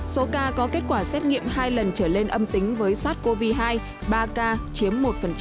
số ca có kết quả xét nghiệm hai lần trở lên âm tính với sars cov hai ba ca chiếm một